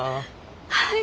はい。